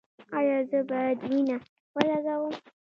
ایا زه باید وینه ولګوم؟